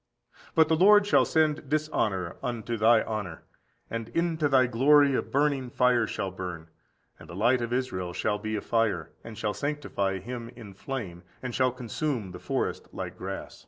But the Lord shall send dishonour unto thy honour; and into thy glory a burning fire shall burn. And the light of Israel shall be a fire, and shall sanctify him in flame, and shall consume the forest like grass."